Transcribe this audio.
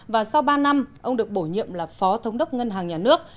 và sau ba năm ông được bổ nhiệm là phó thống đốc ngân hàng nhà nước